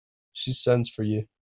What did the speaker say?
She sends for you.